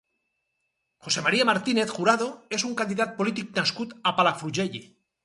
José María Martínez Jurado és un candidat polític nascut a Palafrugell.